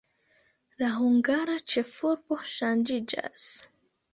La hungara ĉefurbo ŝanĝiĝas.